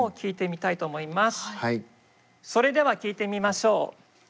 それでは聴いてみましょう。